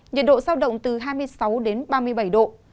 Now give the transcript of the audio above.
nhiệt độ sao động từ hai mươi sáu ba mươi bảy độ